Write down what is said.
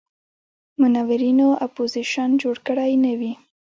منورینو اپوزیشن جوړ کړی نه وي.